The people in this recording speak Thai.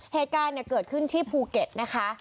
เหตุการณ์เกิดขึ้นที่ภูเก็ตนะคะ